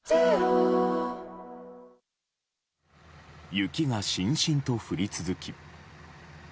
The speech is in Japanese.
雪がしんしんと降り続き。